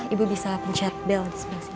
ibu bisa pencet bel di sebelah sini